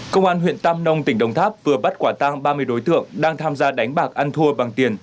công an huyện tam nông tỉnh đồng tháp vừa bắt quả tang ba mươi đối tượng đang tham gia đánh bạc ăn thua bằng tiền